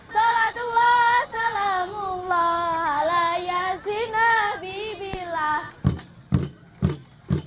salatullah salamullah alayah si nabi billah